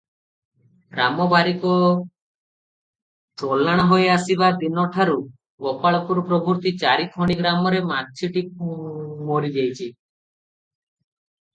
ରାମ ବାରିକ ଚଲାଣ ହୋଇ ଆସିବା ଦିନଠାରୁ ଗୋପାଳପୁର ପ୍ରଭୃତି ଚାରିଖଣ୍ଡି ଗ୍ରାମରେ ମାଛିଟି ମରି ଯାଇଛି ।